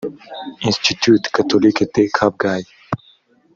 institut catholique de kabgayi